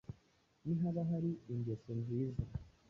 ni haba hari ingeso nziza